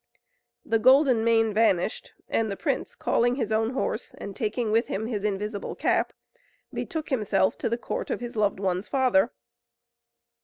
The Golden Mane vanished, and the prince, calling his own horse, and taking with him his invisible cap, betook himself to the court of his loved one's father.